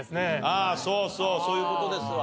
ああそうそうそういう事ですわ。